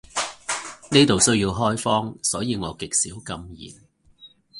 呢度需要開荒，所以我極少禁言